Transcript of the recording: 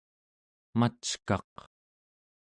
mackaq